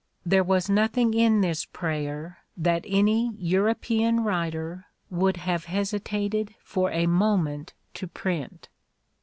There was nothing in this prayer that any European writer would have hesitated for a moment to print.